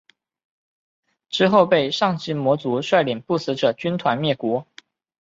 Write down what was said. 之后被上级魔族率领不死者军团灭国。